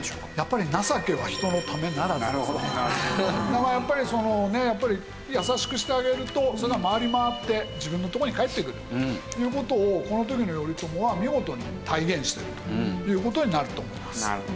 だからやっぱりそのね優しくしてあげるとそれが回り回って自分のとこに返ってくるという事をこの時の頼朝は見事に体現してるという事になると思います。